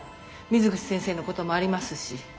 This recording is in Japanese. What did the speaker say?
水口先生のこともありますし。